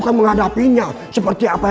kalau nabi dari rasu